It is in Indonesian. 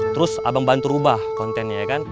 terus abang bantu rubah kontennya ya kan